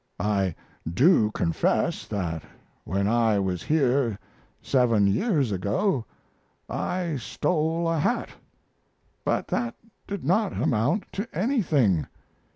I do confess that when I was here seven years ago I stole a hat but that did not amount to anything.